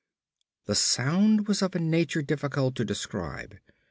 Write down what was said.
The sound was of a nature difficult to describe.